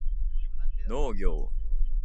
農業